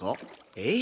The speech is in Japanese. えっ？